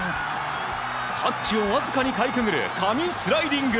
タッチをわずかにかいくぐる神スライディング！